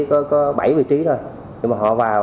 có bảy vị trí thôi nhưng mà họ vào